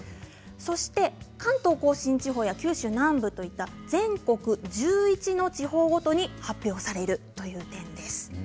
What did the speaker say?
そして関東甲信地方や九州南部といった全国１１の地方ごとに発表されるという点です。